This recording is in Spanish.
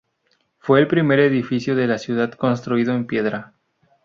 Fue el primer edificio de la ciudad construido en piedra.